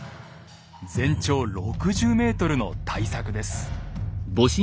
全長６０ｍの大作です。